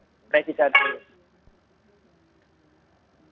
apakah mereka sudah mulai mengatakan bahwa terjangkit antraks ini kepada hewan hewan ternak